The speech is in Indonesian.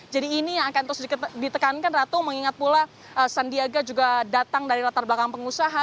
jadi ini yang akan ditekankan ratu mengingat pula sandiaga juga datang dari latar belakang pengusaha